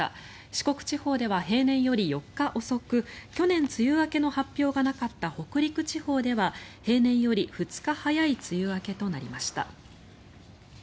四国地方では平年より４日遅く去年、梅雨明けの発表がなかった北陸地方では平年より２日早い梅雨明けとなりました。